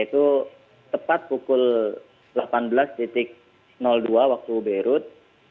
itu tepat pukul delapan belas dua waktu beirut